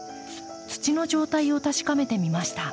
土の状態を確かめてみました。